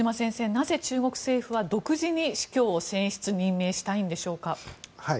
なぜ中国政府は独自に司教を選出・任命したいんでしょうか。